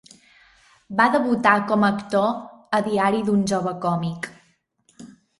Va debutar com a actor a "Diari d'un jove còmic".